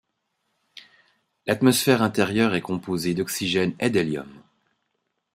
L'atmosphère intérieure est composée d'oxygène et d'hélium.